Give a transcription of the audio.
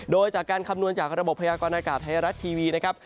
โดยจากการคำนวณจากระบบพยากรณากาศไทยรัฐทีวีนะครับ